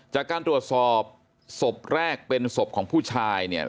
จากการตรวจสอบศพแรกเป็นศพของผู้ชายเนี่ย